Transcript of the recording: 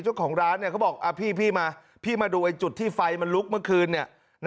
เจ้าของร้านเขาบอกพี่มาพี่มาดูจุดที่ไฟมันลุกเมื่อคืน